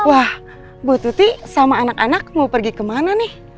wah bu tuti sama anak anak mau pergi kemana nih